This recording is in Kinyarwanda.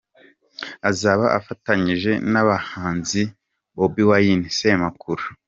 Azaba afatanyije n’abahanzi Bobi Wine, Semakura….